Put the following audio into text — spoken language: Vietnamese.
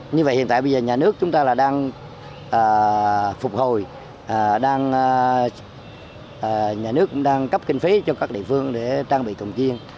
như vậy hiện tại bây giờ nhà nước chúng ta đang phục hồi nhà nước cũng đang cấp kinh phí cho các địa phương để trang bị cồng chiêng